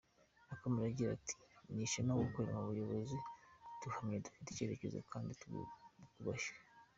Yakomeje agira ati “Ni ishema gukorera mu buyobozi buhamye, bufite icyerekezo kandi bwubashywe.